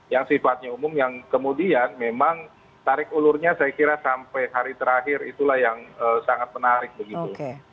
yang sifatnya umum yang kemudian memang tarik ulurnya saya kira sampai hari terakhir itulah yang sangat menarik begitu